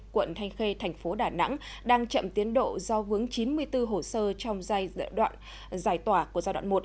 quận thanh khê thành phố đà nẵng đang chậm tiến độ do vướng chín mươi bốn hồ sơ trong giai đoạn giải tỏa của giai đoạn một